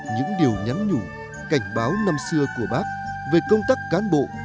những điều nhắn nhủ cảnh báo năm xưa của bác về công tác cán bộ